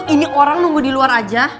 ini orang nunggu di luar aja